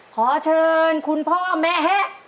ขอเชิญคุณพ่อแม่แฮะ